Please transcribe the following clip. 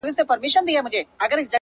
وځان ته بله زنده گي پيدا كړه،